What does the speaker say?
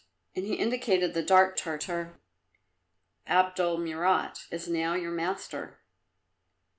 And he indicated the dark Tartar. "Abdul Murat is now your master."